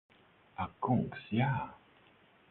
Ak kungs, jā!